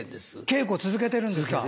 稽古続けてるんですか。